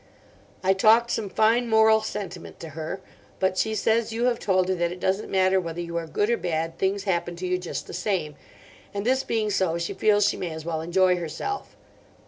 I talked some fine moral sentiment to her. But she says you have told her that it doesn't matter whether you are good or bad, things happen to you just the same; and this being so she feels she may as well enjoy herself.